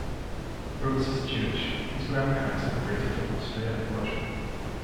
Brooks is Jewish; his grandparents emigrated from Austria and Russia.